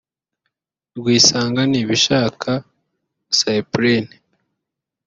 Rwisanga Nibishaka Cyprien